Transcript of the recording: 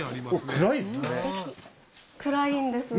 暗いんです。